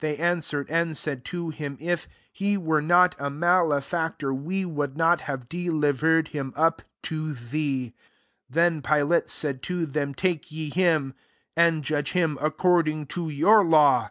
30 They answered, and said to him, " If he were not a male factor, we would not have de livered him up to thee." 31 Then Pilate said to them, " Take ye him, and judge him according to your law."